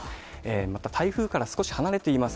また台風から少し離れています